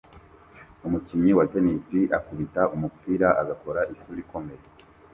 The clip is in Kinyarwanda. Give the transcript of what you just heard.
Umukinnyi wa tennis akubita umupira agakora isura ikomeye